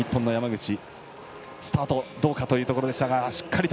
スタートどうかというところでしたが。